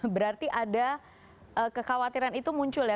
berarti ada kekhawatiran itu muncul ya